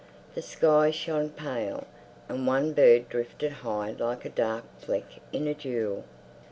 The sky shone pale, and one bird drifted high like a dark fleck in a jewel.